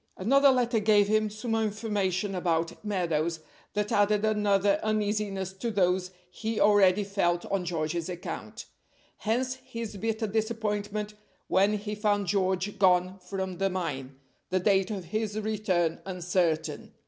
Another letter gave him some information about Meadows that added another uneasiness to those he already felt on George's account. Hence his bitter disappointment when he found George gone from the mine, the date of his return uncertain.